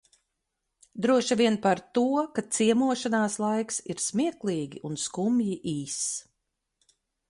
Droši vien par to, ka ciemošanās laiks ir smieklīgi un skumji īss.